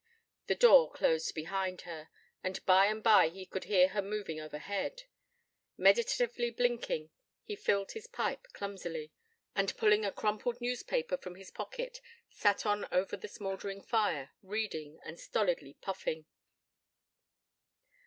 The door closed behind her, and by and by he could hear her moving overhead. Meditatively blinking, he filled his pipe clumsily, and pulling a crumpled newspaper from his pocket, sat on over the smouldering fire, reading and stolidly puffing.